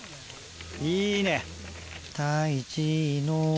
いいね！